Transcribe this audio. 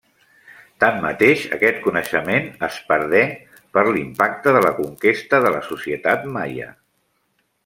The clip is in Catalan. Tanmateix, aquest coneixement es perdé per l'impacte de la conquesta de la societat maia.